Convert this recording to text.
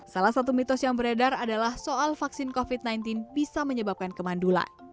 salah satu mitos yang beredar adalah soal vaksin covid sembilan belas bisa menyebabkan kemandulan